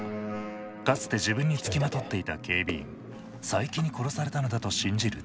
かつて自分につきまとっていた警備員佐伯に殺されたのだと信じる徹生。